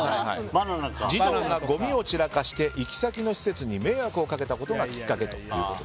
児童がごみを散らかして行き先の施設に迷惑をかけたことがきっかけと。